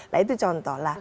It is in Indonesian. nah itu contoh lah